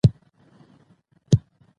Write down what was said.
د پرېکړو روڼتیا اعتماد زیاتوي